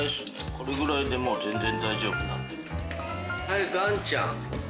これぐらいで全然大丈夫なんで。